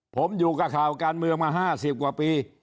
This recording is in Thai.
ผมอยู่กับข่าวการเมืองมา๕๐กว่าปี